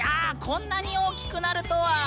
こんなに大きくなるとは。